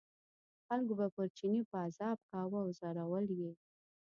خلکو به پر چیني پازاب کاوه او ځورول یې.